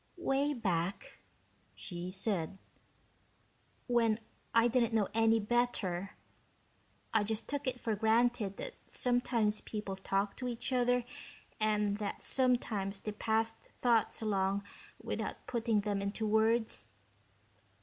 "Way back," she said, "when I didn't know any better, I just took it for granted that sometimes people talked to each other and that sometimes they passed thoughts along without putting them into words.